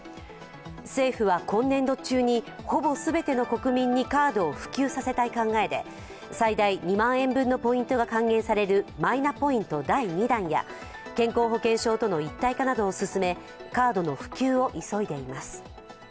政府は今年度中にほぼ全ての国民にカードを普及させたい考えで最大２万円分のポイントが還元されるマイナポイント第２弾や健康保険証との一体化などを進めカードの普及を急いでいます。